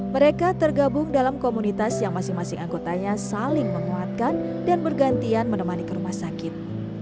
mereka tergabung dalam komunitas yang masing masing anggotanya saling menguatkan dan bergantian menemani ke rumah sakit